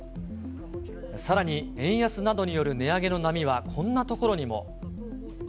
さらに円安などによる値上げの波は、こんなところにも。